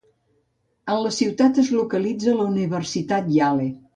En la ciutat es localitza la Universitat Yale.